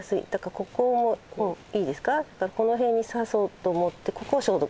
ここをいいですか？